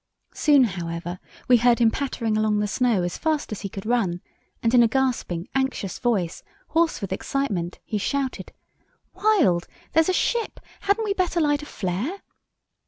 Soon, however, we heard him pattering along the snow as fast as he could run, and in a gasping, anxious voice, hoarse with excitement, he shouted, 'Wild, there's a ship! Hadn't we better light a flare?